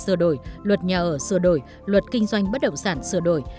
luật đai sơn luật nhà ở sửa đổi luật kinh doanh bất động sản sửa đổi